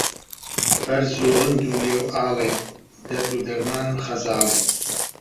بەرز و ڕند و ڵێوئاڵێ دەرد و دەرمانم خەزاڵێ